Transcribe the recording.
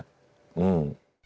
うん。